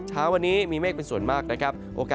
ภาคเมื่อนี้มีเมฆเป็นส่วนมากครับ